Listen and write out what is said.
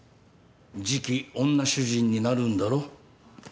次期女主人になるんだろ？